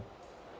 ya betul sekali